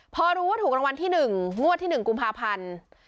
พอรู้ว่าถูกรางวัลที่๑งวดที่๑กุมภาพันธ์